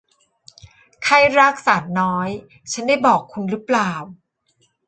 ไข้รากสาดน้อย ฉันได้บอกคุณหรือเปล่า